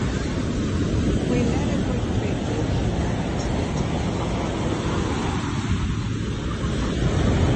Gweler y gweithredydd hunan-atgyd am ragor o fanylion